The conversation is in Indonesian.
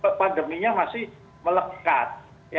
status pandeminya masih melekat